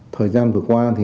thời gian vừa qua